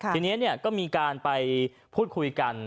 ทีนี้ก็มีการไปพูดคุยกัน